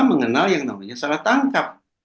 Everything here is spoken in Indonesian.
mengenal yang namanya salah tangkap